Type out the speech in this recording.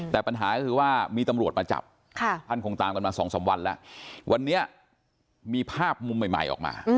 แต่ปัญหาก็คือว่ามีตำรวจมาจับท่านคงตามกันมา๒๓วันแล้ววันนี้มีภาพมุมใหม่ออกมา